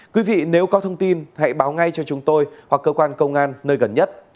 quý vị nếu có thông tin hãy báo ngay cho chúng tôi hoặc cơ quan công an nơi gần nhất